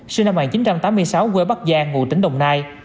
sinh năm một nghìn chín trăm tám mươi sáu quê bắc giang ngụ tỉnh đồng nai